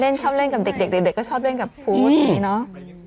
เล่นชอบเล่นกับเด็กเด็กก็ชอบเล่นกับพุทธนี่เนาะ